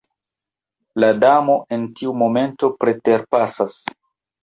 La Damo en tiu momento preterpasas.